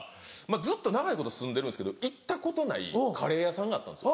ずっと長いこと住んでるんですけど行ったことないカレーさん屋があったんですよ。